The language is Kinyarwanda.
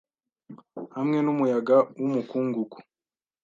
hamwe numuyaga wumukungugu